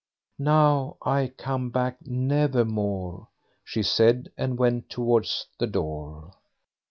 "Now I come back never more", she said, and went towards the door.